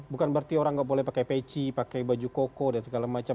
bukan berarti orang nggak boleh pakai peci pakai baju koko dan segala macam